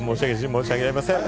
申し訳ありません。